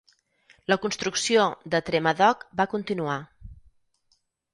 La construcció de Tremadog va continuar.